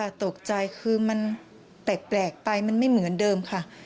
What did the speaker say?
ตกใจคือมันแปลกไปมันไม่เหมือนเดิมค่ะ